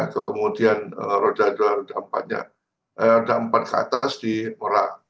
kemudian roda dua roda empat ke atas di merak